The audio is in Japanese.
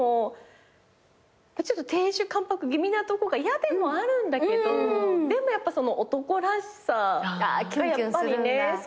ちょっと亭主関白気味なとこが嫌でもあるんだけどでもやっぱその男らしさがよかったり。